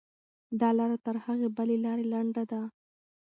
دا لاره تر هغې بلې لارې لنډه ده.